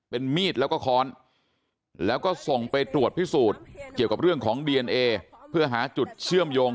เป็นมีดแล้วก็ค้อนแล้วก็ส่งไปตรวจพิสูจน์เกี่ยวกับเรื่องของดีเอนเอเพื่อหาจุดเชื่อมโยง